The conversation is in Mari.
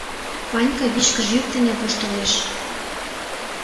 — Ванька вичкыж йӱк дене воштылеш.